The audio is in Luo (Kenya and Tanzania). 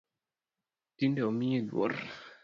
Tinde omiyi luor .